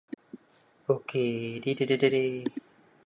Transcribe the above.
It too is a historic village.